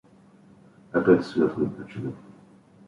Опять свет выключили.